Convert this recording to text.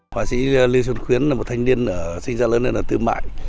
họa sĩ lưu xuân khuyến là một thanh niên sinh ra lớn lên ở tư mãi